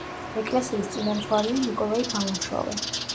ეკლესიის წინამძღვარია ნიკოლაი ბალაშოვი.